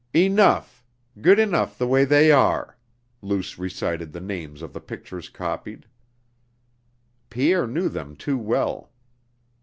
"Enough! Good enough the way they are!" Luce recited the names of the pictures copied. Pierre knew them too well.